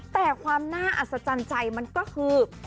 แต่ความน่าอัศจรรย์ใจมันก็คือ